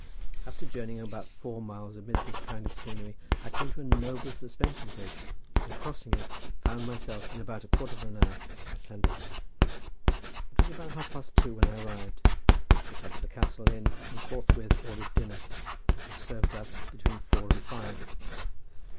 After journeying about four miles amid this kind of scenery I came to a noble suspension bridge, and crossing it found myself in about a quarter of an hour at Llandovery. It was about half past two when I arrived. I put up at the Castle Inn and forthwith ordered dinner, which was served up between four and five.